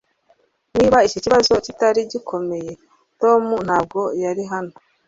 Niba iki kibazo kitari gikomeye, Tom ntabwo yari hano.